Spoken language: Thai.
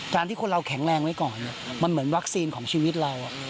ที่คนเราแข็งแรงไว้ก่อนมันเหมือนวัคซีนของชีวิตเรา